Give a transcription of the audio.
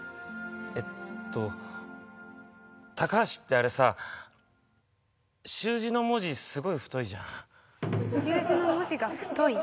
えっと高橋ってあれさ習字の文字すごい太いじゃん習字の文字が太い？